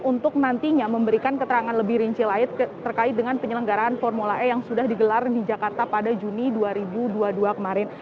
untuk nantinya memberikan keterangan lebih rinci lain terkait dengan penyelenggaraan formula e yang sudah digelar di jakarta pada juni dua ribu dua puluh dua kemarin